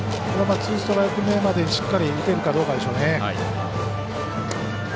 ツーストライク目までにしっかり打てるかどうかでしょうね。